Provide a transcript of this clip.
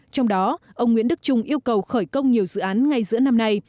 trong đó ông nguyễn đức trung yêu cầu khởi công nhiều dự án ngay giữa năm nay